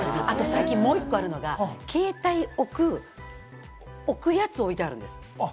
あともう１個あるのが、携帯を置く、置くやつを置いてあるんです。